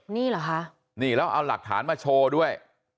นี่เหรอคะนี่แล้วเอาหลักฐานมาโชว์ด้วย